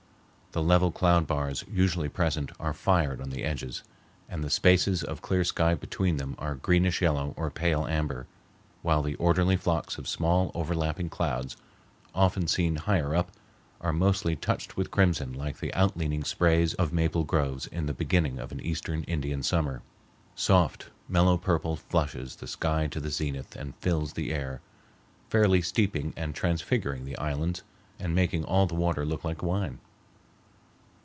The level cloud bars usually present are fired on the edges, and the spaces of clear sky between them are greenish yellow or pale amber, while the orderly flocks of small overlapping clouds, often seen higher up, are mostly touched with crimson like the out leaning sprays of maple groves in the beginning of an Eastern Indian Summer. Soft, mellow purple flushes the sky to the zenith and fills the air, fairly steeping and transfiguring the islands and making all the water look like wine.